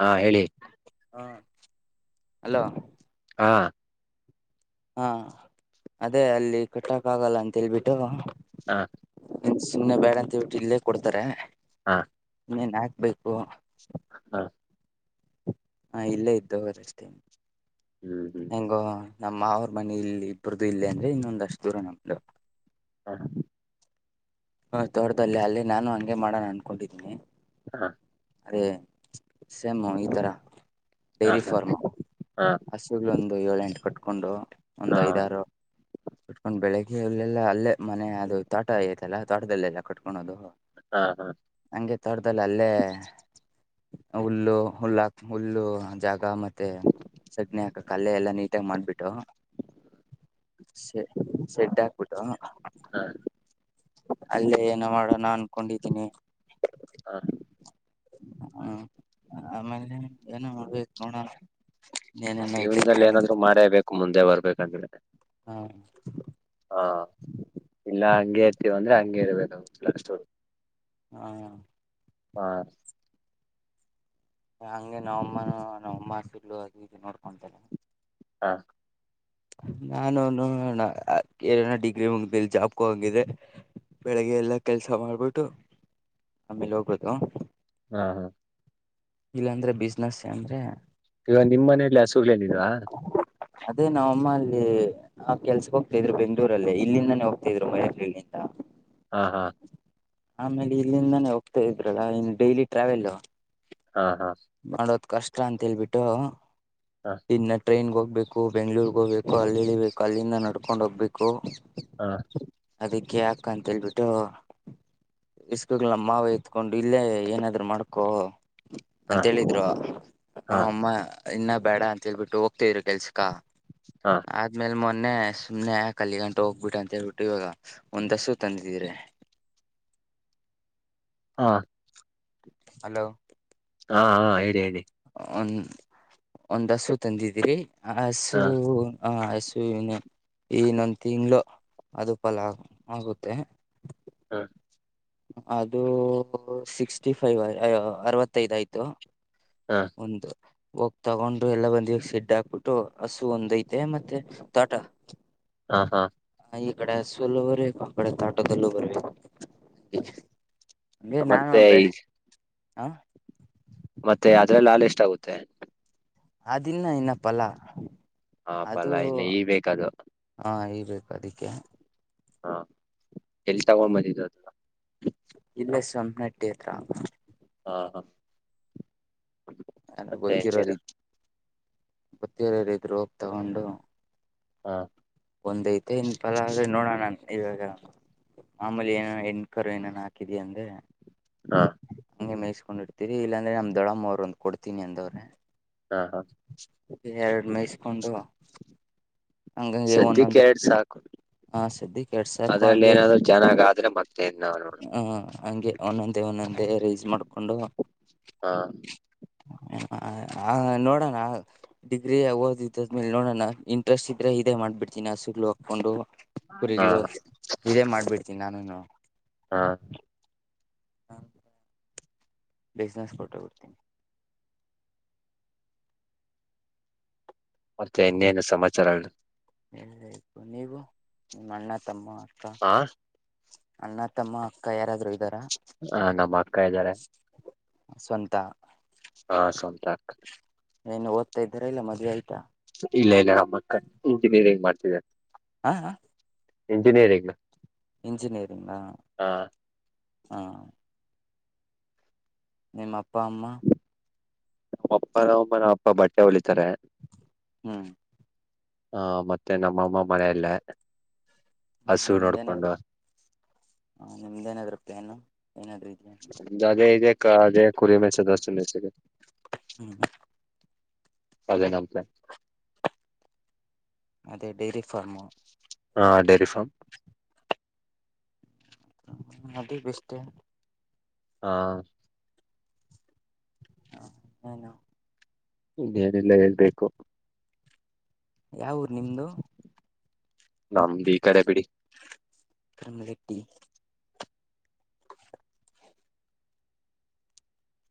ಹಾ ಹೇಳಿ ಹಾ ಹಲೋ ಹಾ ಹಾ ಅದೇ ಅಲ್ಲಿ ಕಟ್ಟಕ್ ಆಗಲ್ಲ ಅಂತೇಳ್ಬಿಟ್ಟು ಹಾ ಸುಮ್ನೆ ಬ್ಯಾಡ ಅಂತೇಳ್ಬಿಟ್ಟು ಇಲ್ಲೇ ಕೊಡ್ತಾರೆ ಹಾ ನೆನ್ ಆಕ್ಬೇಕ್ ಹಾ ಹಾ ಇಲ್ಲೇ ಇದ್ ಹೋಗೋದಷ್ಟೇ ಹ್ಮ್ ಹ್ಮ್ ಎಂಗೋ ನಮ್ ಮಾವವ್ರ್ ಮನೆಲ್ಲಿ ಇಬ್ಬ್ರದು ಇಲ್ಲೆ ಅಂದ್ರೆ ಇನ್ನೊಂದಷ್ಟ್ ದೂರ ನಮ್ದು ಹಾ ಹ ತೋಟ್ದಲ್ಲಿ ಅಲ್ಲಿ ನಾನು ಹಂಗೆ ಮಾಡಣ ಅನ್ಕೊಂಡಿದೀನಿ ಹಾ ಅದೇ ಸೇಮು ಈ ತರ ಹ ಡೈರಿ ಹ ಫಾರ್ಮ ಹ ಹಸುಗ್ಳು ಒಂದು ಏಳ್ ಎಂಟು ಕಟ್ ಕೊಂಡು ಹ ಒಂದು ಐದಾರು ಬಿಟ್ಕೊಂಡ್ ಬೆಳಿಗ್ಗೆ ಇಲ್ಲೆಲ್ಲ ಅಲ್ಲೇ ಮನೆ ಅದು ತಾಟ ಆ ಎಲ್ಲ ತ್ವಾಟದಲ್ಲೆಲ ಕಟ್ಕೊಣೊದು ಹಾ ಹಾ ಹಂಗೆ ತೋಟ್ದಲ್ ಅಲ್ಲೇ ಹುಲ್ಲು ಹುಲ್ಲಾಕ್ ಹುಲ್ಲು ಜಾಗ ಮತ್ ಮತ್ತೆ ಸಗ್ಣೆ ಕಕ್ ಅಲ್ಲೆ ಎಲ್ಲ ನೀಟಾಗ್ ಮಾಡ್ಬಿಟ್ಟು ಸೆ ಸೆಡ್ ಹಾಕ್ಬಿಟ್ಟು ಹ ಅಲ್ಲೇ ಏನೊ ಮಾಡಣ ಕೊಂಡಿದಿನಿ ಹ ಹ್ಮ ಆಮೇಲೆ ಏನ್ ಮಾಡ್ಬೇಕ್ ನೋಡನ ಇವ್ನ್ದಲ್ ಏನಾದ್ರು ಮಾಡೇಬೇಕು ಮುಂದೆ ಬರ್ಬೇಕಂದ್ರೆ ಹ ಹಾ ಇಲ್ಲ ಹಂಗೆ ಇರ್ತೀವ್ ಅಂದ್ರೆ ಹಂಗೆ ಇರೋದೆ [unintelligible] ಹಾ ಹಾ ಹಂಗೆ ನಮ್ ಅಮ್ಮನು ನಮ್ ಅಮ್ಮ ಹಸುಗ್ಳು ಅದು ಇದು ನೊಡ್ಕೊಂತರೆ ಹಾ ನಾನುನು ಅ ಏನನ ಡಿಗ್ರಿ ಮುಗ್ದ್ ಮೇಲ್ ಜಾಬ್ಕ್ ಹೋಕಂಗ್ ಇದೆ ಬೆಳಿಗ್ಗೆ ಎಲ್ಲ ಕೆಲ್ಸ ಮಾಡ್ಬಿಟ್ಟು ಆಮೇಲೆ ಹೋಗೋದು ಹಾ ಹಾ ಇಲ್ಲಾಂದ್ರೆ ಬಿಸ್ನೆಸ್ ಂದ್ರೆ ಇವಾಗ ನಿಮ್ಮ್ ಮನೆಯಲ್ಲಿ ಹಸುಗಳನಿದ್ವಾ ಅದೇ ನಾವ್ ಅಮ್ಮ ಅಲ್ಲಿ ಆ ಕೆಲ್ಸಕ್ಕೆ ಹೋಗ್ತಾ ಇದ್ರು ಬೆಂಗಗಳೂರಲ್ಲೇ ಇಲ್ಲಿಂದಾನೇ ಹೋಗ್ತಾಿದ್ರು ಮೈರಿಲ್ಲಿಿಂದ ಹಾ ಹಾ ಆಮೇಲೆ ಇಲ್ಲಿಂದಾನೇ ಹೋಗ್ತಾ ಇದ್ರಲ್ಲ ಇನ್ ಡೈಲಿ ಟ್ರಾವೆಲ್ ಹಾ ಹಾ ಮಾಡೋದ್ ಕಷ್ಟ ಚತ್ರ ಅಂತ ಹೇಳ್ಬಿಟ್ಟು ಇನ್ನ ಟ್ರೈನ್ಗೋಗಿ ಹೋಗಬೇಕು ಬೆಂಗ್ಳೂರ್ಗ್ ಹೋಗ್ಬೇಕು ಅಲ್ಲಿ ಎಳಿಬೇಕು ಅಲ್ಲಿಂದ ನಡ್ಕೊಂಡ್ ಹೋಗ್ಬೇಕು ಹಾ ಅದಕ್ಕೆ ಯಕ ಅಂತೇಳ್ಬಿಟ್ಟು ಇಸ್ಕಗಳನ ಮಾವ ಎತ್ಕೊಂಡು ಇಲ್ಲೇ ಏನಾದ್ರು ಮಾಡ್ಕೊ ಹಾ ಹಾ ಅಂತ ಹೇಳಿದ್ರು ಹಾ ಅಮ್ಮ ಇನ್ನ ಬೇಡ ಅಂತ ಹೇಳ್ಬಿಟ್ಟು ಹೋಗ್ತಿದ್ರು ಕೆಲ್ಸಕ ಹಾ ಆದ್ಮೇಲೆ ಮೊ ಸುಮ್ನೆ ಸುಮ್ನೆ ಕಲ್ಲಿಗಂಟ ಹೋಗ್ಬಿಟ್ಟ ಅಂತ ಹೇಳಳ್ಬಿಟ್ಟು ಇವಾಗ ಒಂದಸು ತಂದಿದ್ರೆ ಹಾ ಹಲೋ ಹಾ ಹಾ ಹೇಳಿ ಹೇಳಿ ಒನ್ ಒಂದ ಹಸು ತಂದಿದಿರಿ ಆಸು ಹಾ ಹ ಆಸು ಇನೆ ಇನ್ನೊಂದು ತಿಂಗಳು ಅದು ಫಲ ಆಗುತ್ತೆ ಹಾ ಅದು ಸಿಕ್ಸ್ಟಿ ಫೈವ್ ಅರವತ್ತೈದ ಆಯ್ತು ಹಾ ಒಟ ಹೋಗ್ ತಗೊಂಡ್ರು ಎಲ್ಲಾ ಬಂದಿ ಶೆಡ್ ಹಾಕ್ಬಿಟ್ಟು ಹಸು ಒಂದೈತೆ ಮತ್ತೆ ತೋಟ ಹಾ ಹಾ ಈ ಕಡೆ ಸಲುೋ ಬ ಕಡೆ ತಾಟೋದಲು ಬರಬೇಕ ಅಗೆ ಮತ್ತೆ ನಾನುಬ ಈ ಹಾ ಮತ್ತೆ ಅದ್ರಲ್ಲ ಹಾಲ್ ಎಷ್ಟ ಆಗುತ್ತೆ ಅದಿನ್ನ ನಪ್ಪಲ್ಲ ಹಾ ಪಲ್ಲಾ ಇನ್ನು ಈ ಬೇಕದು ಬ ಅದಕ್ಕೆ ಹಾ ಎಲ್ತಾಾಮ ದ ಟ್ಟ ಅನ ಮತ್ತೆ ಗೊತ್ತಿರೋ ರೀ ಏನು ಬತ್ತಿಯರರ ಇದರು ಹೋಗೋಗ ತಗೊಂಡು ಹಾ ಒಂದ ಐತೆ ಇನ್ ಫಲ ಆದ್ರೆ ನೋಡೋಣ ಇವಾಗ ಮಾಮೂಲಿ ಏನ ಹೆಣಕರು ಏನೇನು ಹಾಕಿದಿ ಅಂದ್ರೆ ಹಾ ಹಂಗೆ ಮೇಯಿಸಸ್ಕೊಂಡಿರ್ತೀರಿ ಇಲ್ಲಾರೆ ನಮ್ ದೊಡ್ಡಮ್ಮ ಅವರ್ ಒಂದು ಕೊಡ್ತೀನಿ ಅಂದವ್ರೆ ಹಾ ಹಾ ಎರಡು ಮೈ ಸ್ಕೊಂಡು ಸದ ಕೆರಡು ಸಾಕು ಆ ಸದ್ಯಕ್ಕೆ ಎರಡ್ ಸಾಕು ಅದ್ರಲ್ಲಿ ಹಂಗೆ ಏನಾದ್ರು ಚೆನ್ನಾಗ ಆದ್ರೆ ಮತ್ತೇನ್ ನಾವ್ ನೋಡ ಹ ಹಂಗೆ ಒಂದೊಂದೇ ಒಂದೊಂದ ಅ ರೈಸ್ ಮಾಡ್ಕೊಂಡು ಹಾ ಹ ನೋಡೋಣ ಡಿಗ್ರಿ ಓದಿದ್ದದ್ಮೇಲೆ ನೋಡೋಣ ಇ ಇಂಟ್ರೆಸ್ಟ್ ಇದ್ರೆ ಇದೇ ಮಾಡ್ಬಿಡ್ತೀನೀ ಸುಗ ಹಾಕ್ಕೊಂಡು ಹಾ ಕುರಿಗಳು ಇದೇ ಮಾಡ ಬಿಡ್ತೀ ನಾನುನು ಹಾ ಹ ಬಿಸ್ನೆಸ್ ಕೊಟ್ಟ ಬಿಡ್ತೀನಿ ಮತ್ತೆ ಇನ್ನೇನು ಸಮಾಚಾರಗಳು ಎಬೇಕು ನೀವು ನಿಮ್ಮ ಅಣ್ಣ ತಮ್ಮ ಅಕ್ಕ ಹಾ ಅಣ್ಣ ತಮ್ಮ ಅಕ್ಕ ಯಾರಾದ್ರೂ ಇದ್ದಾರಾ ಹ ನಮ್ಮ ಇದ್ದಾರೆ [inaudible] ಸ್ವಂತ ಹಾ ಸ್ವತ ಅಕ್ಕ ಏನು ಓದ್ತಾ ಇದ್ದಾರಾಲ್ಲ ಮದ್ವೆ ಆಯ್ತಾ ಇಲ್ಲ ಇಲ್ಲ ನಮ್ಮಕ್ಕ ಇಂಜಿನಿಯರಿಂಗ್ ಮಾಡ್ತಿದ್ದಾರೆ ಹಾ ಹ ಇಂಜಿನಿಯರಿಂಗ್ ಇಂಜಿನಿಯರಿಂಗಾ ಹಾ ಹಾ ನಿಮ್ಮ ಅಪ್ಪ ಅಮ್ಮ ನಮ್ಮ ಅಪ್ಪನಮ್ಮ ನಮ್ಮ ಅಪ್ಪ ಬಟ್ಟೆ ಹೊಲಿತಾರೆ ಹ್ಮ್ ಹಾ ಮತ್ತೆ ನಮ್ಮ ಅಮ್ಮ ಮನೆಯಲ್ಲಿ ಯೇ ಹ ನಿಮ್ದೇನಾದ್ರು ಹ ನಿಮ್ದೇನಾದ್ರೂ ಪೇನು ದೆ ಇ ಅ ಕುರಿಯ ಮಯಿಸೊದ ಹ್ಮ್ ಅದೇ ನಮತೆ ಅದೇ ಡೈರಿ ಫಾರ್ಮು ಹಾ ಡೇರಿಫಾಮ್ ಅದು [unintelligible] ಬೆಸ್ಟೆ ಹಾ ಹ ಏನು ಇನ್ನೇನೆಲ್ಲಾ ಹೇಳ್ಬೇಕು ಯಾವ ಊರ್ ನಿಮದು [unintelligible] ನಮ್ಮಂಬ [unintelligible] ಬಿಡಿ [unintelligible]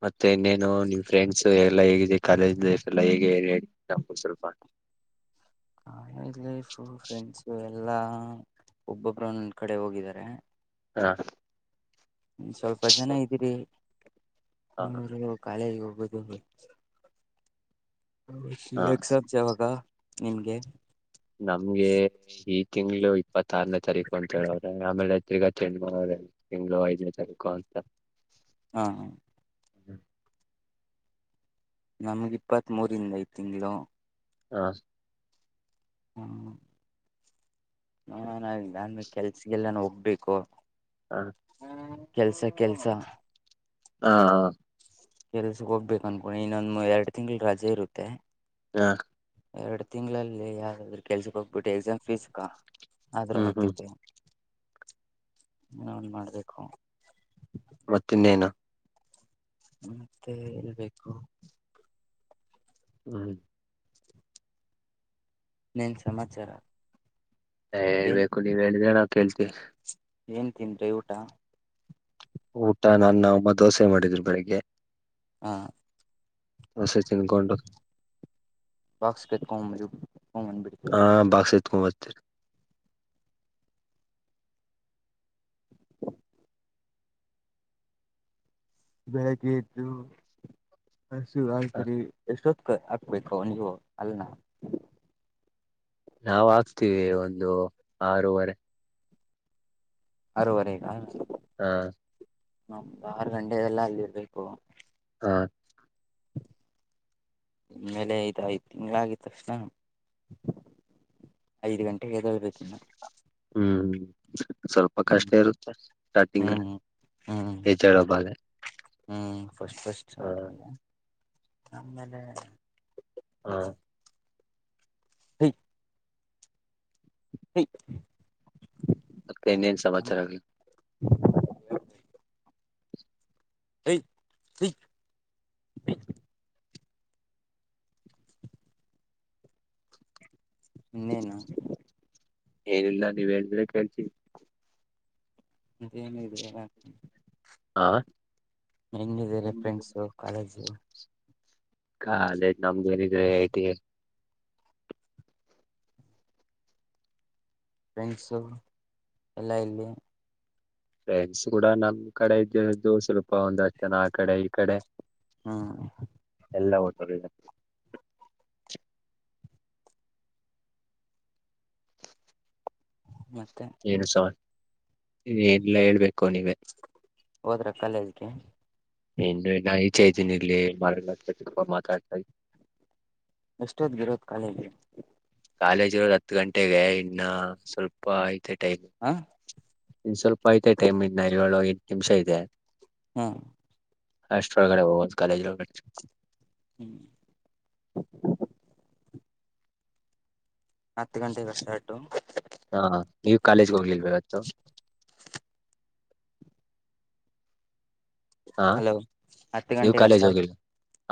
ಮತ್ತೆ ಇನ್ನೇನು ನಿಮ್ ಫ್ರೆಂಡ್ಸ್ ಎಲ್ಲಾ ಹೇಗಿದೆ ಕಾಲೇಜ್ ಲೈಫ್ ಎಲ್ಲಾ ಹೇಗೆ [unintelligible] ಸ್ವಲ್ಪ ಅಂತ [unintelligible] ಫ್ರೆಂಡ್ಸ್ ಎಲ್ಲಾ ಒಬ್ಬೊಬ್ಬರು ಒಂದೊಂದು ಕಡೆ ಹೋಗಿದ್ದಾರೆ ಹಾ ಸ್ವಲ್ಪ ಜನ ಇದ್ದೀರಿ ಹ ಅವರು ಕಾಲೇಜ್ ಹೋಗು [unintelligible] ಹ ಎಕ್ಸಾಮ್ ಯಾವಾಗ ನಿಂಗೆ ನಮ್ಗೆ [unintelligible] ತಿಂಗಳು ಇಪ್ಪತ್ತಾರನೇ ತಾರೀಕು ಅಂತ ಹೇಳವ್ರೆ ಆಮೇಲೆ ತಿರ್ಗ ಚೇಂಜ್ ಮಾಡವ್ರೆ ತಿಂಗ್ಳು [unintelligible] ಐದನೇ ತಾರೀಕು ಅಂತ ಹಾ ಹಾ [unintelligible] ನಮ್ಗೆ ಇಪ್ಪತ್ತ್ ಮೂರಿಂದ ಈ ತಿಂಗಳು ಹ ಹ್ಮ [unintelligible] ನಂದು ಕೆಲ್ಸಿಗೆಲ್ಲಾನು ಹೋಗ್ಬೇಕು ಹಾ ಕೆಲ್ಸ ಕೆಲ್ಸ ಹಾ ಹಾ ಕೆಲ್ಸಕ್ ಹೋಗ್ಬೇಕ ಅನ್ಕೊಂಡಿ ಇನ್ನೊಂದ ಎರಡ್ ತಿಂಗಳು ರಜೆ ಇರುತ್ತೆ ಹಾ ಎರಡು ತಿಂಗಳಲ್ಲಿ ಯಾವ್ದಾದ್ರರು ಕೆಲ್ಸಕ್ ಹೋಗ್ಬಿಟ್ಟು ಎಕ್ಸಾಮ್ ಫೀಸ್ ಕಾ ಆದ್ರೂ ಹ್ಮ್ ಹ್ಮ್ ಆಗ್ತತೆ ನಾವನ್ [unintelligible] ಮಾಡ್ಬೇಕು ಮತ್ತ ಇನ್ನೇನು ಮತ್ತೆ ಹೇಳ್ ಬೇಕು ಹ್ಮ ಇನೇನ್ ಸಮಾಚಾರ ಏನ್ ಹೇಳ್ಬೇಕು ನೀವ್ ಹೇಳಿದ್ರೆ ನಾವು ಕೇಳ್ತಿ [unintelligible] ಏನ್ ತಿಂದರೇ ಊಟಾ ಊಟ ನನ್ನ ಅಮ್ಮ ದೋಸೆ ಮಾಡಿದ್ರು ಬೆಳಿಗ್ಗೆ ಹಾ ದೋಸೆ ತಿನ್ಕೊಂಡು ಬಾಕ್ಸಕ [unintelligible] ಹ [inaudible] ಬೆಳೆಗೆ ಎದ್ದು ಹಲ್ ತರಿ ಎಷ್ಟ ಹ ಹಕ್ಬೇಕು ನೀವು ಅಲ್ನ ನಾವ್ ಹಾಕ್ತೀವಿ ಒಂದು ಆರೂವರೆ ಅರರುವರೆಗ ಹಾ ಆರ ಗಂಡೆಗೆಲ್ಲಾ ಅಲ್ಲಿ ಇರ್ಬೇಕು ಹಾ ಇ ಮೇಲೆ ಐದ ಐದ್ ತಿಂಗಳಗಿದ ತಕ್ಷಣ ಐದ್ ಗಂಟೆಗೆ ಎದಳ್ಬೇಕಿ ಇನ್ನ ಹ್ಮ್ ಸ್ವಲ್ಪ ಕಷ್ಟ ಇರುತ್ತೆ ಸ್ಟಾರ್ಟಿಂಗಲ್ಲಿ ಹ್ಮ್ ಹ್ಮ್ ಹೆಜಬಾಗ ಹ್ಮ್ ಫಸ್ಟ್ ಫಸ್ಟ್ ಹ ಆಮೇಲೆ ಆಮೇಲೆ ಹಾ [inaudible] ಹ್ಮ ಮತ್ತೆ ಇನ್ನೇನ್ ಸಮಾಚಾರ ಆಲಿ ಈ ನ ನ ಏನಿಲ್ಲ ನೀವ್ ಹೇಳಿದ್ರೆ ಕೇಳ್ತೀ ಅೇನಿದೆಲ್ಲ ಹಾ ಹೆಂಗಿದ್ದೀರೆ ಫ್ರೆಂಡ್ಸ ಕಾಲೇಜು ಕ ಅದೇ ನಮ್ದೇಏನಿದ್ರೆ ತಿ ಫ್ರೆಂಡ್ಸು ಎಲ್ಲ ಇಲ್ಲಿ ಫ್ರೆಂಡ್ಸ್ ಕೂಡ ನಮ್ ಕಡೆ ಇದ್ದರದು ಸ್ವಲ್ಪ ಒಂದ ಅಷ್ಟನ ಆ ಕಡೆ ಈ ಕಡೆ ಹಾ ಎಲ್ಲಾ ೋಟೋಗ ಹ್ಮ ಏನು ಸವಲ್ ಎಲ್ಲಾ ಹೇಳ್ಬೇಕು ಕೊಣಿವೆ ಹೋದ್ರ ಕಾಲೇಜ್ಗೆ ಇನ್ನು ನಾ ಈಚೆ ಇದತೀನಿ ಇಲ್ಲಿ ಮರ ಪ ಮಾತಾಡ್ತ ಎಷ್ಟೊದ್ ಗಿರೋದ್ ಕಾಲಲಿ ಕಾಲೇಜ್ ಇರೋದು್ ಹತ್ತು ಗಂಟೆಗೆ ಇನ್ನ ಸ್ವಲ್ಪ ಆಯ್ತ [inaudible] ಹ ಇ ಸ್ವಲ್ಪ ಐತೆ ಟೈಮ್ ಇ ನಲ್ಲಿಏಳು ಎಂಟು ನಿಮಿಷ ಇದೆ ಹ್ಮ್ ಅಷ್ಟೊಳಗಡೆ ಒಂದು ಕಾಲೇಜ್ ಒಳಗಡೆ ಹ್ಮ್ ಹತ್ತು ಗಂಟೆೆಗೆಷ್ಟಾರ್ಟು ಹಾ ನೀವ ಕಾಲೇಜ್ಗೆ ಹೋಗ್ಿಲ್ಬೇಕತ್ತು ಹಲೋ ಹತ್ತು ನೀವ್ ಗಂಟೆಗ ಕಾಲೇಜ್ ಸಾರ್ಟ ಹೋಗಿಲ್ವಾ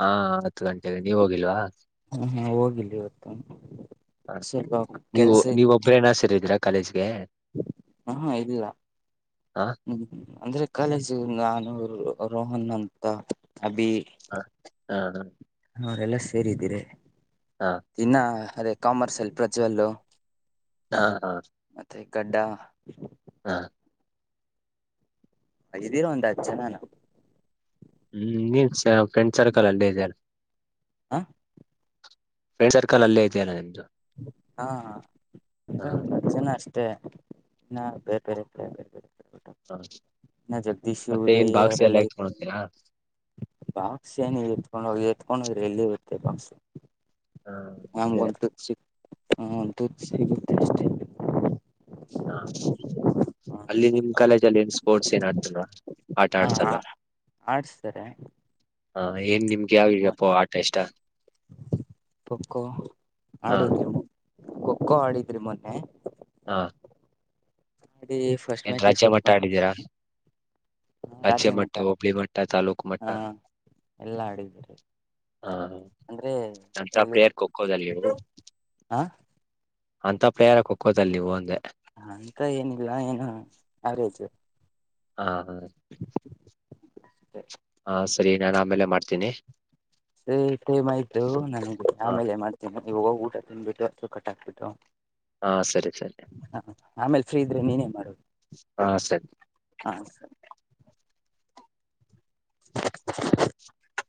ಹಾ ಹತ್ತು ಗಂಟೆಗೆ ನೀವ ಹೋಗಿಲ್ವಾ ಹ್ಮ ಹಾ ಹೋಗಿಲ್ಲ ಇವತ್ತು ಹ ಸ್ವಲ್ಪ ಕೆಲ್ಸ ಇತ್ತು ಕಾಲೇಜ್ ಹಾ ಇಲ್ಲ ಹಾ ಹ್ಮ್ ಅಂದ್ರೆ ಕಾಲೇಜು ರೋಹನ್ ಅಂತ ಅಭಿ ಹ ಹ್ಮ ಹ ಅವರೆಲ್ಲ ಸೇರಿದ್ದೀರ ತಿನ್ನ ಅದೇ ಕಾಮರ್ಸಲ್ ಪ್ರಜ್ವಲ್ಲ್ ಹಾ ಹಾ ಹಾ ಹಗ್ದೀರ ಒಂದು ಹತ್ತು ಜನಾನು ಹ್ಮ್ ನೀನ್ ಫ್ರೆಂಡ್ ಸರ್ಕಲ್ ಅಲ್ಲೇ ಇದ್ದಾರೆ ಆ ಫ್ರೆಂಡ್ ಸರ್ಕಲ್ ಅಲ್ಲೇ ಇದೆಯಲ್ಲಾ ನಿಮ್ದು ಹಾ ಹಾ ಹತ್ಜನ ಅಷ್ಟೆ ಹಾ ಬೇರ್ ಬೇರ್ ಬ ಹಾ ಮತ್ತೆ ಏನ್ ಉದಯ್ ಭಾಗಸ ಎಲ್ಲ ಅವರೆಲ್ಲ ಎತ್ಕಂಡೊಗ್ತೀರಾ ಬಾಕ್ಸ್ ಏನ ಎತ್ಕೊಂಡು ಹೋಗಿ ಎತ್ಕೊಂಡುೋದ್ರ ಎಲ್ಲಿ ಇರುತ್ತೆ ಬಾಕ್ಸ್ ಹಾ ಅದೇ ಹಾ ದು ಸಿಗುತ್ತೆ ಅಷ್ಟೇ ಹಾ ಅಲ್ಲಿ ನಿಮ್ಮ ಹ ಕಾಲೇಜಲ್ಲಿ ಏನ್ ಸ್ಪೋರ್ಟ್ಸ್ ಏನ್ [unintelligible] ಹಾ ಆಡ್ಸಲ್ವಾ ಆಡ್ಸ್ತಾರೆ ಹಾ ಏನ್ ನಿಮ್ಗೆ ಮ ಆಾವಪ್ಪ ಆಟ ಇಷ್ಟ ಹಾ ಖೋ ಖೋ ಆಡಿದ್ರಿ ಮೊನ್ನೆ ಹಾ ಆಡಿ ಫಸ್ಟ್ ಏನ್ ಮ್ಯಾಚ್ ರಾಜ್ಯ ಮಟ್ಟ ಸೋತ್ಕೊಂಡ್ ಆಡಿದ್ದೀರಾ ರಾಜ್ಯ ಮಟ್ಟ ಹೋಬಳಿ ಮಟ್ಟ ತಾಲೂಕು ಮಟ್ಟ ಹ ಎಲ್ಲಾ ಆಡಿದ್ರಿ ಹ ಅಂದ್ರೆ ನನ್ ಇಲ್ಲಿ ಪ್ಲೇಯರ್ ಖೋಖೋದಲ್ಲಿ ಹ ಅಂತ ಪ್ಲೇಯರ ಖೊಖೋದಲ್ಲಿ ನೀವು ಅಂದೆ ಅಂತ ಏನಿಲ್ಲ ಏನು ಅವರೇಜು ಹಾ ಹಾ ಸರಿ ಹಾ ಸರಿ ನಾನ್ ಆಮೇಲೆ ಮಾಡ್ತೀನಿ ಸ್ ಟೇಮ್ ಆಯ್ತು ನನಗೆ ಹ ಆಮೇಲೆ ಮಾಡ್ತೀನಿ ಈವೋಗೊಗಿ ಊಟ ತಿನ್ಬಿಟ್ಟು ಕಟ್ಟಾಗ್ತಿತೊ ಹಾ ಸರಿ ಸರಿ ಹ ಆಮೇಲೆ ಫ್ರೀ ಇದ್ರೆ ನೀನೇ ಮಾಡೋದು ಹಾ ಸರಿ ಹ [unintelligible]